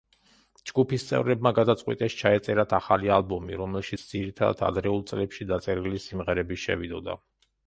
ჯგუფის წევრებმა გადაწყვიტეს ჩაეწერათ ახალი ალბომი, რომელშიც ძირითადად ადრეულ წლებში დაწერილი სიმღერები შევიდოდა.